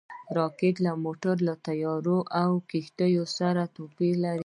راکټ له موټرو، طیارو او کښتیو سره توپیر لري